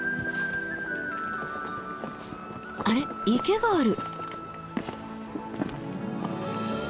あれ池がある。